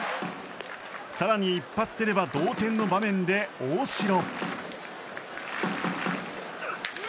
更に、一発出れば同点の場面で大城。